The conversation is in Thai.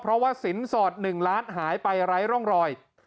เพราะว่าสินสอด๑ล้านหายไปไร้ร่องรอย